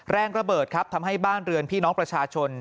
แรงระเบิดครับทำให้บ้านเรือนพี่น้องประชาชน